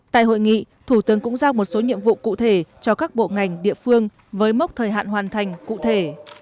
tại hội nghị thủ tướng cũng giao một số nhiệm vụ cụ thể cho các bộ ngành địa phương với mốc thời hạn hoàn thành cụ thể